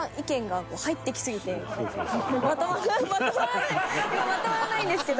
確かにね。まとまらないんですけど。